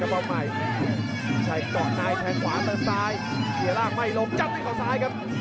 ยังมีฝังใหม่ใช้เกาะนายใช้ขวามันซ้ายเสียร่างไม่ลงจับด้วยเขาซ้ายครับ